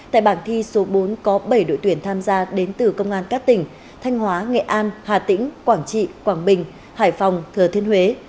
tại bảng thi số bốn có bảy đội tuyển tham gia đến từ công an các tỉnh thanh hóa nghệ an hà tĩnh quảng trị quảng bình hải phòng thừa thiên huế